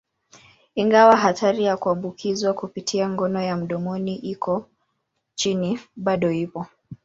Ingawa hatari ya kuambukizwa kupitia ngono ya mdomoni iko chini, bado ipo.